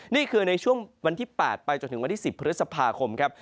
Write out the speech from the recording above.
นี่คือในช่วงวันที่๘ไปจนถึงวันที่๑๐พฤษภาคมครับ